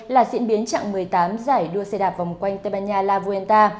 là diễn biến chặng một mươi tám giải đua xe đạp vòng quanh tây ban nha la vuenta